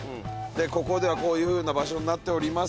「ここではこういう風な場所になっております」